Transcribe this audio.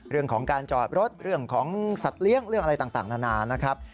เรื่องของการจอดรถเรื่องของสัตว์เลี้ยงเรื่องอะไรต่างนานานะครับ